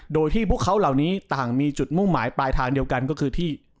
โดยที่พวกเขาเหล่านี้ต่างมีจุดมุ่งหมายปลายทางเดียวกันก็คือที่